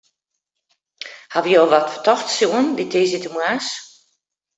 Hawwe jo wat fertochts sjoen dy tiisdeitemoarns?